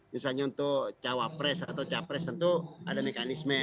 misalnya untuk cawapres atau capres tentu ada mekanisme